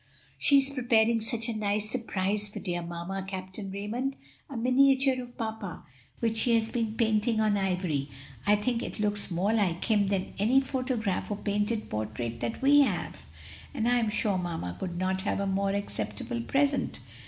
"She is preparing such a nice surprise for dear mamma, Captain Raymond, a miniature of papa which she has been painting on ivory. I think it looks more like him than any photograph or painted portrait that we have. And I am sure mamma could not have a more acceptable present.